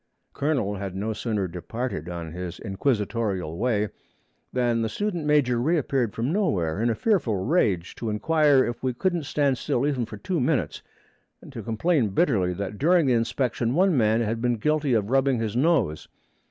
Colonel had no sooner departed on his inquisitorial way than the student major reappeared from nowhere, in a fearful rage, to inquire if we couldn't stand still even for two minutes, and to complain bitterly that during the inspection one man had been guilty of rubbing his nose.